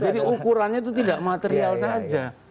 jadi ukurannya itu tidak material saja